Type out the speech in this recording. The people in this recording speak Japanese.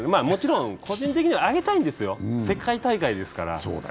もちろん個人的にはあげたいんですよ、世界大会ですから。